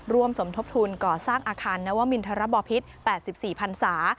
สมทบทุนก่อสร้างอาคารนวมินทรบพิษ๘๔พันศา